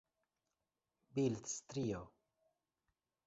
bildstrio